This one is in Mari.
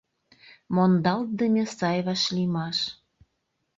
Мондалтдыме сай вашлиймаш.